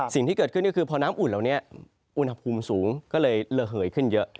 สิ่งที่เกิดขึ้นก็คือพอน้ำอุ่นเหล่านี้อุณหภูมิสูงก็เลยระเหยขึ้นเยอะ